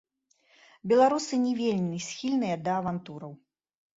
Беларусы не вельмі схільныя да авантураў.